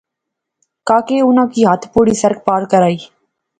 کاکے اُناں کی ہتھ پوڑی سڑک پار کرائی